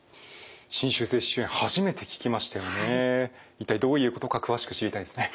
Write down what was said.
一体どういうことか詳しく知りたいですね。